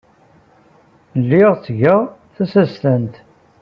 Lliɣ ttgeɣ tasestant.